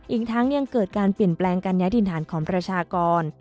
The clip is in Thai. อีกทั้งยังเกิดการเปลี่ยนแปลงการย้ายถิ่นฐานของประชากร